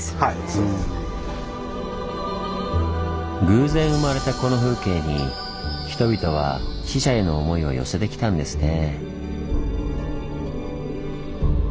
偶然生まれたこの風景に人々は死者への思いを寄せてきたんですね。